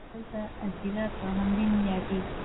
دا سیمه او دلته اَذيره په همدې نوم یادیږي.